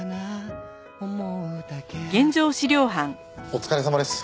お疲れさまです。